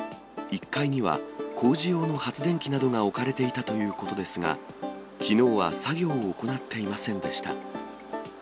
１階には工事用の発電機などが置かれていたということですが、きのうは作業を行っていませんでした。